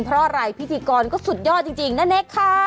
เพราะอะไรพิธีกรก็สุดยอดจริงณเนคค่ะ